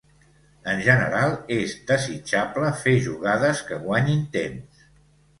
En general, és desitjable fer jugades que guanyin temps.